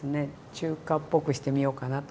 中華っぽくしてみようかなと。